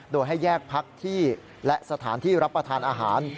โดยให้แยกพักที่และสถานที่รับประทานอาหาร